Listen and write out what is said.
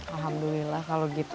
alhamdulillah kalau gitu